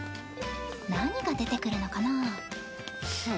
何が出てくるのかな？